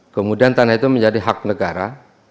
kemudian tanah itu menjadi hak negara